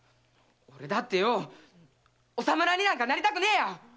俺だってよお侍になんかなりたくねえや！